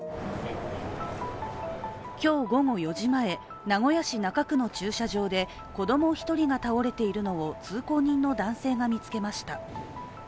今日午後４時前、名古屋市中区の駐車場で子供１人が倒れているのを通行人の男性が見つけました。